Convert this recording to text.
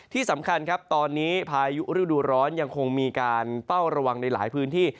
ที่สำคัญครับตอนนี้พายุฤดูร้อนยังคงมีการเฝ้าระวังในหลายพื้นที่